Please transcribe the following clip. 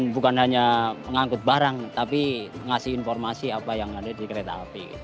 bukan hanya mengangkut barang tapi ngasih informasi apa yang ada di kereta api